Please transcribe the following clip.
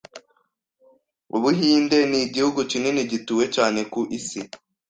Ubuhinde n’igihugu Kinini gituwe cyane ku isi